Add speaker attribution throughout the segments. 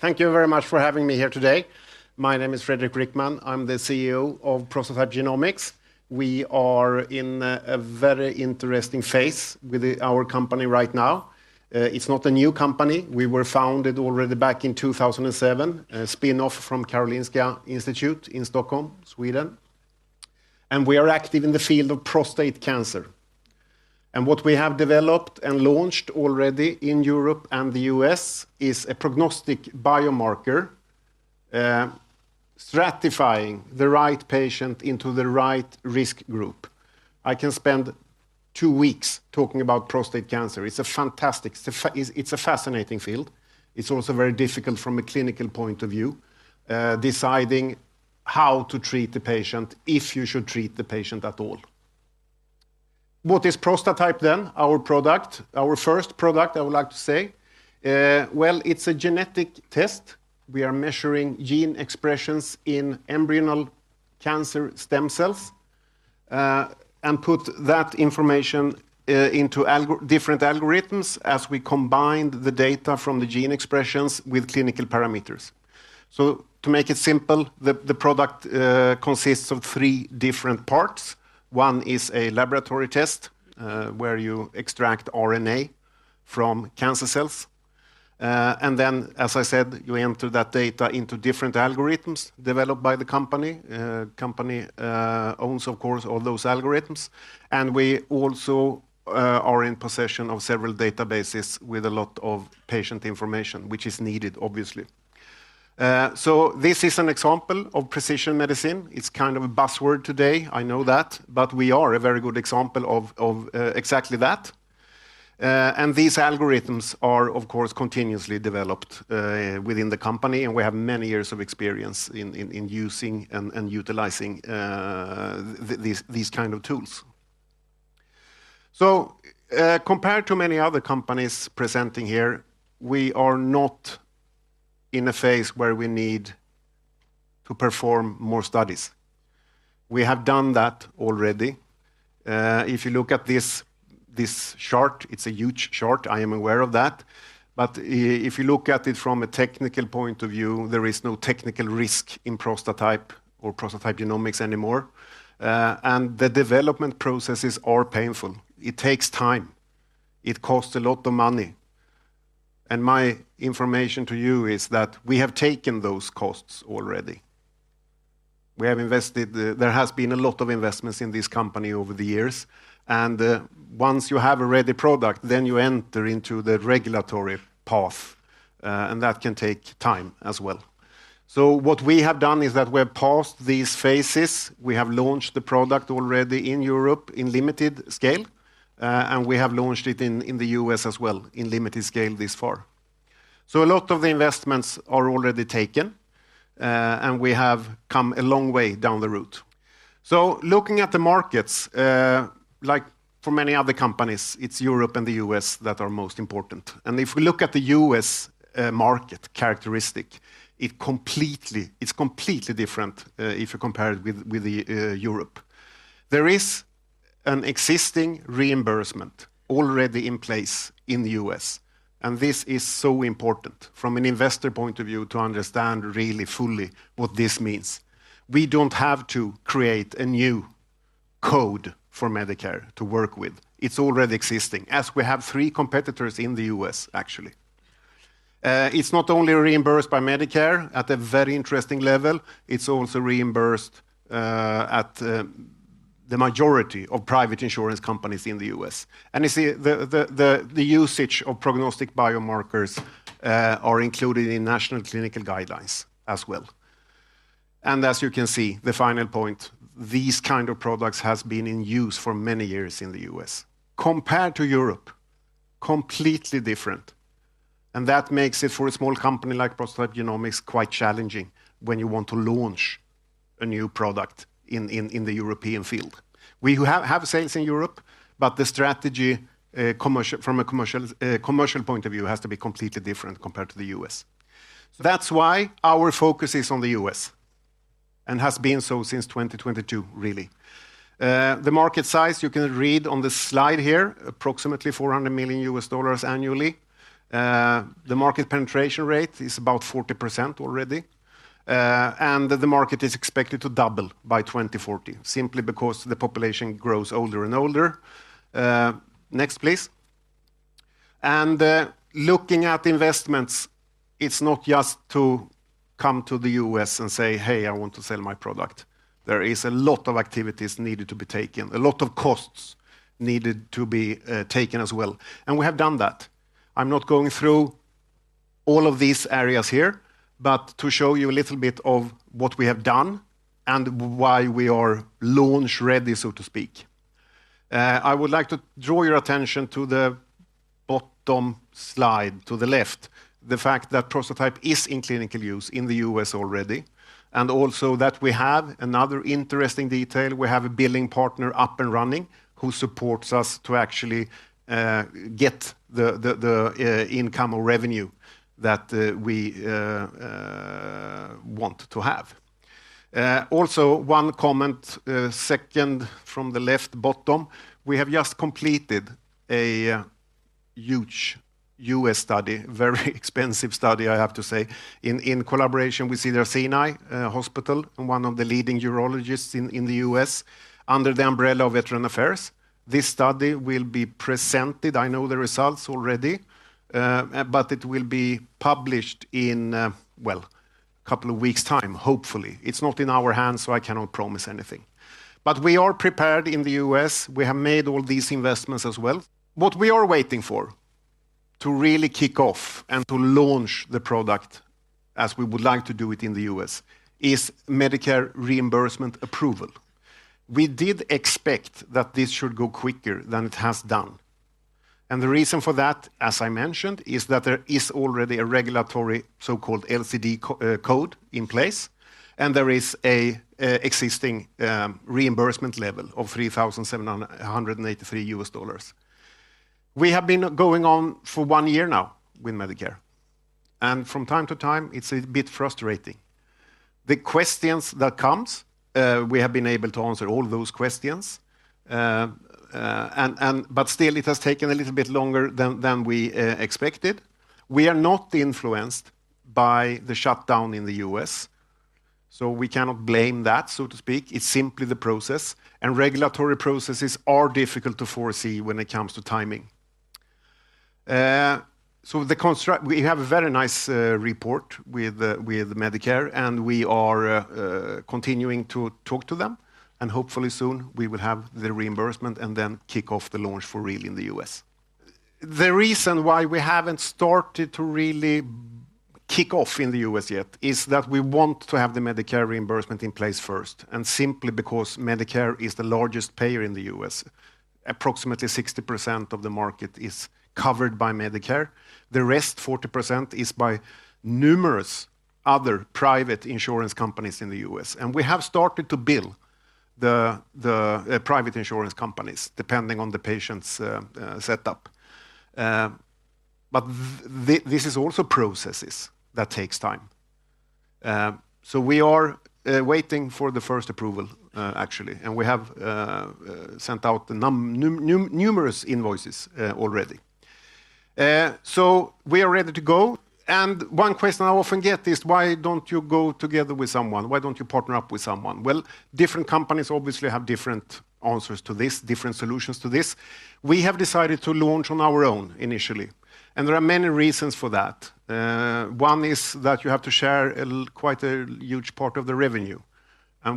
Speaker 1: Thank you very much for having me here today. My name is Fredrik Rickman. I'm the CEO of Prostatype Genomics. We are in a very interesting phase with our company right now. It's not a new company. We were founded already back in 2007, a spinoff from Karolinska Institute in Stockholm, Sweden. We are active in the field of prostate cancer. What we have developed and launched already in Europe and the U.S. is a prognostic biomarker stratifying the right patient into the right risk group. I can spend two weeks talking about prostate cancer. It's a fantastic, it's a fascinating field. It's also very difficult from a clinical point of view, deciding how to treat the patient, if you should treat the patient at all. What is Prostatype then? Our product, our first product, I would like to say. It's a genetic test. We are measuring gene expressions in embryonal cancer stem cells and put that information into different algorithms as we combine the data from the gene expressions with clinical parameters. To make it simple, the product consists of three different parts. One is a laboratory test where you extract RNA from cancer cells. As I said, you enter that data into different algorithms developed by the company. The company owns, of course, all those algorithms. We also are in possession of several databases with a lot of patient information, which is needed, obviously. This is an example of precision medicine. It's kind of a buzzword today, I know that, but we are a very good example of exactly that. These algorithms are, of course, continuously developed within the company, and we have many years of experience in using and utilizing these kinds of tools. Compared to many other companies presenting here, we are not in a phase where we need to perform more studies. We have done that already. If you look at this chart, it is a huge chart. I am aware of that. If you look at it from a technical point of view, there is no technical risk in Prostatype or Prostatype Genomics anymore. The development processes are painful. It takes time. It costs a lot of money. My information to you is that we have taken those costs already. We have invested; there has been a lot of investments in this company over the years. Once you have a ready product, you enter into the regulatory path. That can take time as well. What we have done is that we have passed these phases. We have launched the product already in Europe in limited scale. We have launched it in the U.S. as well in limited scale this far. A lot of the investments are already taken. We have come a long way down the road. Looking at the markets, like for many other companies, it's Europe and the U.S. that are most important. If we look at the U.S. market characteristic, it's completely different if you compare it with Europe. There is an existing reimbursement already in place in the U.S. This is so important from an investor point of view to understand really fully what this means. We don't have to create a new code for Medicare to work with. It's already existing, as we have three competitors in the U.S., actually. It's not only reimbursed by Medicare at a very interesting level. It's also reimbursed at the majority of private insurance companies in the U.S. You see the usage of prognostic biomarkers is included in national clinical guidelines as well. As you can see, the final point, these kinds of products have been in use for many years in the U.S. Compared to Europe, completely different. That makes it for a small company like Prostatype Genomics quite challenging when you want to launch a new product in the European field. We have sales in Europe, but the strategy from a commercial point of view has to be completely different compared to the U.S. That's why our focus is on the U.S. and has been so since 2022, really. The market size, you can read on the slide here, approximately $400 million annually. The market penetration rate is about 40% already. The market is expected to double by 2040, simply because the population grows older and older. Next, please. Looking at investments, it's not just to come to the U.S. and say, "Hey, I want to sell my product." There are a lot of activities that need to be taken, a lot of costs that need to be taken as well. We have done that. I'm not going through all of these areas here, but to show you a little bit of what we have done and why we are launch ready, so to speak. I would like to draw your attention to the bottom slide to the left, the fact that Prostatype is in clinical use in the U.S. already. Also, we have another interesting detail. We have a billing partner up and running who supports us to actually get the income or revenue that we want to have. Also, one comment, second from the left bottom, we have just completed a huge U.S. study, very expensive study, I have to say, in collaboration with Cedars-Sinai Hospital, one of the leading urologists in the U.S. under the umbrella of Veterans Affairs. This study will be presented. I know the results already, but it will be published in, well, a couple of weeks' time, hopefully. It's not in our hands, so I cannot promise anything. We are prepared in the U.S. We have made all these investments as well. What we are waiting for to really kick off and to launch the product as we would like to do it in the U.S. is Medicare reimbursement approval. We did expect that this should go quicker than it has done. The reason for that, as I mentioned, is that there is already a regulatory so-called LCD code in place, and there is an existing reimbursement level of $3,783. We have been going on for one year now with Medicare. From time to time, it's a bit frustrating. The questions that come, we have been able to answer all those questions. Still, it has taken a little bit longer than we expected. We are not influenced by the shutdown in the U.S. We cannot blame that, so to speak. It is simply the process. Regulatory processes are difficult to foresee when it comes to timing. We have a very nice report with Medicare, and we are continuing to talk to them. Hopefully soon, we will have the reimbursement and then kick off the launch for real in the U.S. The reason why we have not started to really kick off in the U.S. yet is that we want to have the Medicare reimbursement in place first. Simply because Medicare is the largest payer in the U.S., approximately 60% of the market is covered by Medicare. The rest, 40%, is by numerous other private insurance companies in the U.S. We have started to bill the private insurance companies depending on the patient's setup. This is also processes that take time. We are waiting for the first approval, actually. We have sent out numerous invoices already. We are ready to go. One question I often get is, why do you not go together with someone? Why do you not partner up with someone? Different companies obviously have different answers to this, different solutions to this. We have decided to launch on our own initially. There are many reasons for that. One is that you have to share quite a huge part of the revenue.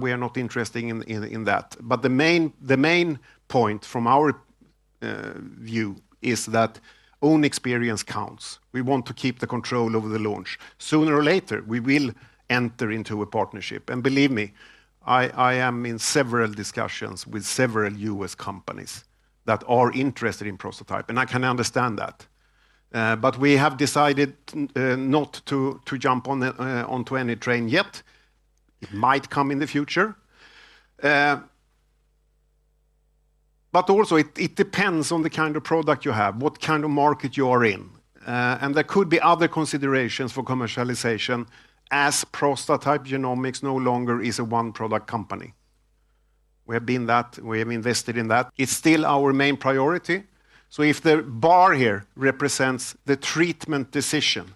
Speaker 1: We are not interested in that. The main point from our view is that own experience counts. We want to keep the control over the launch. Sooner or later, we will enter into a partnership. Believe me, I am in several discussions with several U.S. companies that are interested in Prostatype. I can understand that. We have decided not to jump onto any train yet. It might come in the future. Also, it depends on the kind of product you have, what kind of market you are in. There could be other considerations for commercialization as Prostatype Genomics no longer is a one-product company. We have been that. We have invested in that. It's still our main priority. If the bar here represents the treatment decision,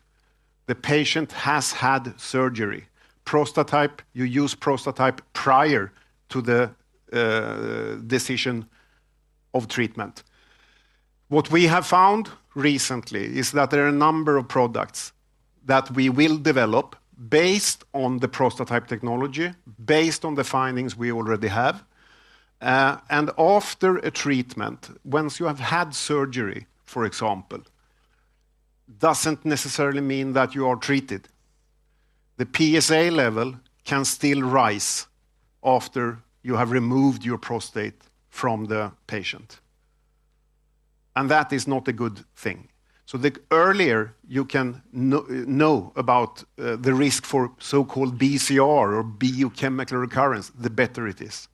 Speaker 1: the patient has had surgery. Prostatype, you use Prostatype prior to the decision of treatment. What we have found recently is that there are a number of products that we will develop based on the Prostatype technology, based on the findings we already have. After a treatment, once you have had surgery, for example, it doesn't necessarily mean that you are treated. The PSA level can still rise after you have removed your prostate from the patient. That is not a good thing. The earlier you can know about the risk for so-called BCR or biochemical recurrence, the better it is.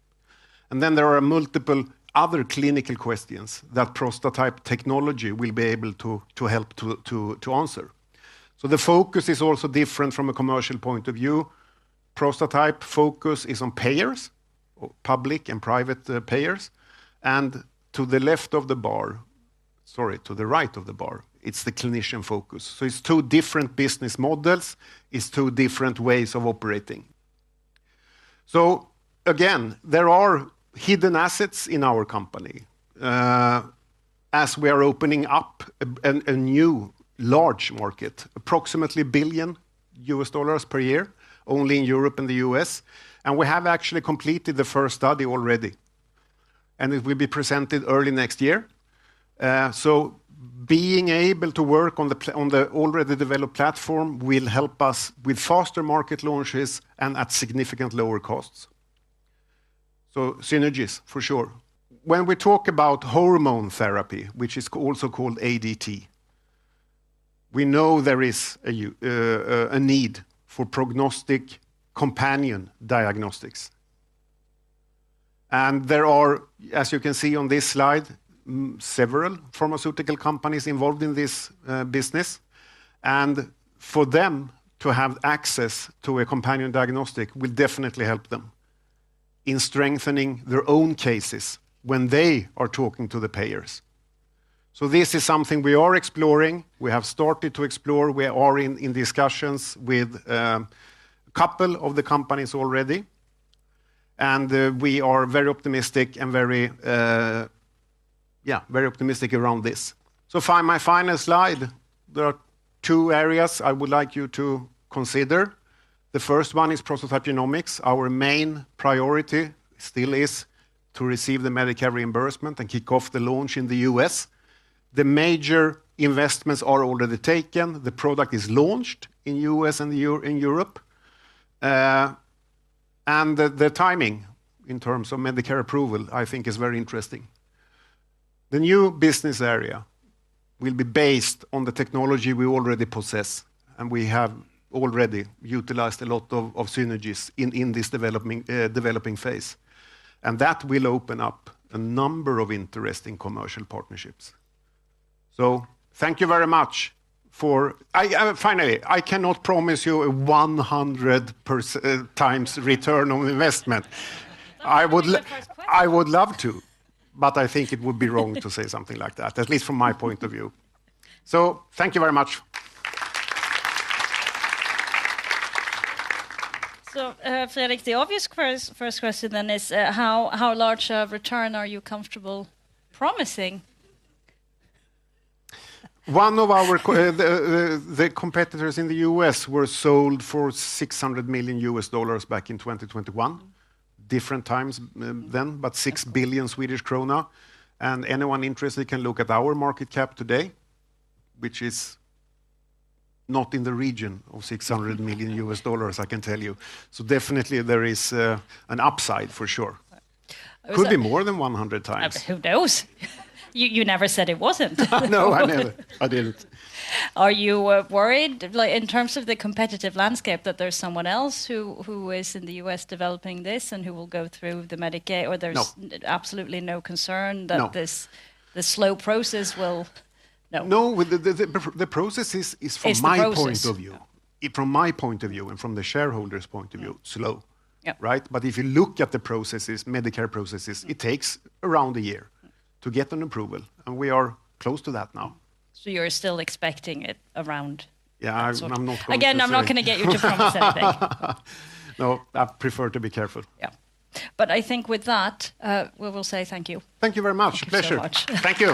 Speaker 1: There are multiple other clinical questions that Prostatype technology will be able to help to answer. The focus is also different from a commercial point of view. Prostatype focus is on payers, public and private payers. To the left of the bar, sorry, to the right of the bar, it's the clinician focus. It's two different business models. It's two different ways of operating. There are hidden assets in our company as we are opening up a new large market, approximately $1 billion per year, only in Europe and the U.S. We have actually completed the first study already, and it will be presented early next year. Being able to work on the already developed platform will help us with faster market launches and at significantly lower costs. Synergies, for sure. When we talk about hormone therapy, which is also called ADT, we know there is a need for prognostic companion diagnostics. There are, as you can see on this slide, several pharmaceutical companies involved in this business. For them to have access to a companion diagnostic will definitely help them in strengthening their own cases when they are talking to the payers. This is something we are exploring. We have started to explore. We are in discussions with a couple of the companies already. We are very optimistic and very optimistic around this. My final slide, there are two areas I would like you to consider. The first one is Prostatype Genomics. Our main priority still is to receive the Medicare reimbursement and kick off the launch in the U.S. The major investments are already taken. The product is launched in the U.S. and in Europe. The timing in terms of Medicare approval, I think, is very interesting. The new business area will be based on the technology we already possess. We have already utilized a lot of synergies in this developing phase. That will open up a number of interesting commercial partnerships. Thank you very much for finally, I cannot promise you a 100% return on investment. I would love to, but I think it would be wrong to say something like that, at least from my point of view. Thank you very much. Fredrik, the obvious first question then is, how large a return are you comfortable promising? One of our competitors in the U.S. was sold for $600 million back in 2021. Different times then, but 6 billion Swedish krona. Anyone interested can look at our market cap today, which is not in the region of $600 million, I can tell you. There is an upside for sure. Could be more than 100x. Who knows? You never said it was not. No, I never. I did not. Are you worried in terms of the competitive landscape that there is someone else who is in the U.S. developing this and who will go through Medicare? Or is there absolutely no concern that the slow process will. No, the process is, from my point of view, from my point of view and from the shareholders' point of view, slow. Right? If you look at the processes, Medicare processes, it takes around a year to get an approval. We are close to that now. You are still expecting it around? Yeah, I am not going to. Again, I'm not going to get you to promise anything. No, I prefer to be careful. Yeah. I think with that, we will say thank you. Thank you very much. Pleasure. Thank you.